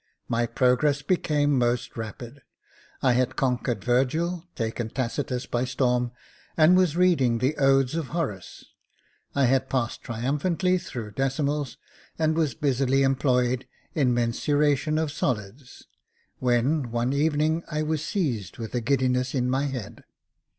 My progress became most rapid ; I had conquered Virgil, taken Tacitus by storm, and was reading the Odes of Horace. I had passed triumphantly through decimals, and was busily employed in mensuration of solids, when one evening I was seized with a giddiness in my head.